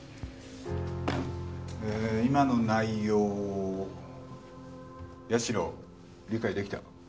えー今の内容を矢代理解できた？